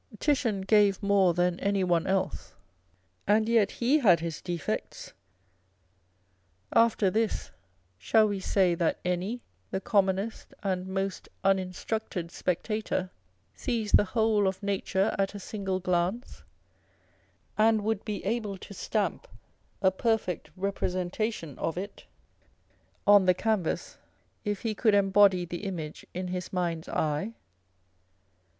Titian gave more than any one else, and yet he had his defects. After this, shall we say that any, the commonest and most uninstructed spectator, sees the whole of nature at a single glance, and would be able to stamp a perfect 410 On a Portrait fry Vandyke. representation of it on the canvas, if lie could embody the image in his mind's eye